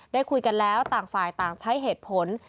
ได้คุยกันแล้วต่างฝ่ายต่างใช้เหตุผล